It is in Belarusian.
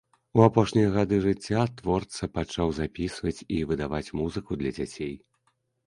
У апошнія гады жыцця творца пачаў запісваць і выдаваць музыку для дзяцей.